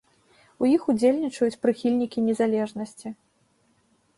У іх удзельнічаюць прыхільнікі незалежнасці.